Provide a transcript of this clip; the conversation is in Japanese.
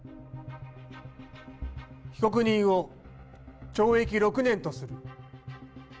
被告人を懲役６年とする。